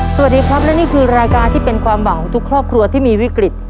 สวัสดีครับและนี่คือรายการที่เป็นความหวังของทุกครอบครัวที่มีวิกฤต